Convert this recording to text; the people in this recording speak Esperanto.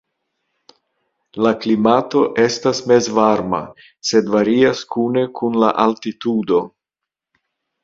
La klimato estas mezvarma, sed varias kune kun la altitudo.